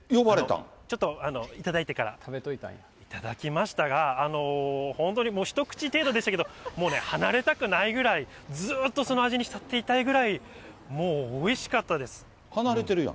ちょっと頂いてから、頂きましたが、本当に一口程度でしたけども、もうね、離れたくないぐらい、ずっとその味に浸っていたいぐらい、もう、おいしかったです。